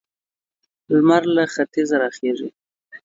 لمر له ختيځه را خيژي.